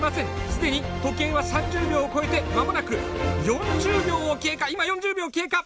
既に時計は３０秒を超えて間もなく４０秒を経過今４０秒を経過。